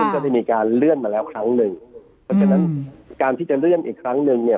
ก็ได้มีการเลื่อนมาแล้วครั้งหนึ่งเพราะฉะนั้นการที่จะเลื่อนอีกครั้งหนึ่งเนี่ย